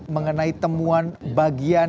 mengenai temuan bagian